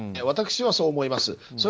私はそう思います。